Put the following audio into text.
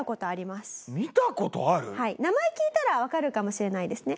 名前聞いたらわかるかもしれないですね。